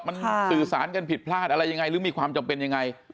มันสื่อสารกันผิดพลาดอะไรยังไงหรือมีความจำเป็นยังไง